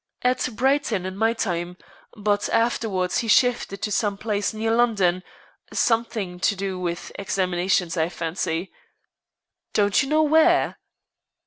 "At Brighton in my time. But afterwards he shifted to some place near London something to do with examinations, I fancy." "But don't you know where?"